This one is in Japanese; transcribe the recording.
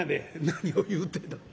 「何を言うてんの？